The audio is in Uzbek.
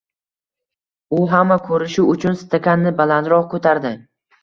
U hamma ko`rishi uchun stakanni balandroq ko`tardi